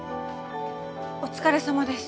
お疲れさまです。